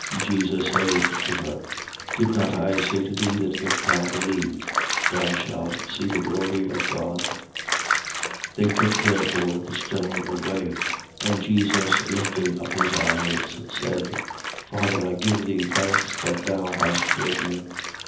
11:40. Jesus saith to her: Did not I say to thee that if thou believe, thou shalt see the glory of God? 11:41. They took therefore the stone away. And Jesus lifting up his eyes, said: Father, I give thee thanks that thou hast heard me.